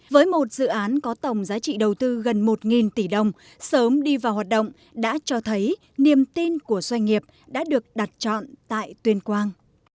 với một dự án có tổng giá trị đầu tư gần một tỷ đồng sớm đi vào hoạt động đã cho thấy niềm tin của doanh nghiệp đã được đặt chọn tại tuyên quang